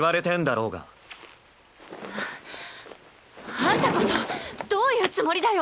あんたこそどういうつもりだよ。